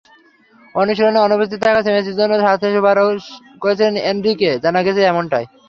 অনুশীলনে অনুপস্থিত থাকায় মেসির জন্য শাস্তির সুপারিশ করেছিলেন এনরিকে, জানা গিয়েছিল এমনটাই।